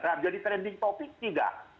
nah jadi trending topic tidak